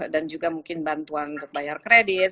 dan juga mungkin bantuan untuk bayar kredit